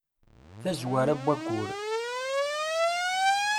tazwara n wayyur